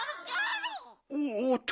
おおっと。